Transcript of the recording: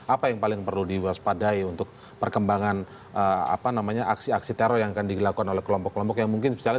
apa yang paling perlu diwaspadai untuk perkembangan apa namanya aksi aksi teror yang akan dilakukan oleh kelompok kelompok yang mungkin misalnya